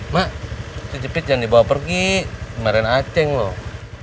mak cepet yang dibawa pergi kemarin achen loh